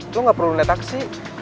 lo gak perlu naik taksi